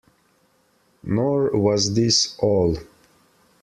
Nor was this all.